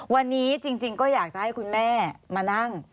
วันนี้จริงก็อยากจะให้คุณแม่มานั่ง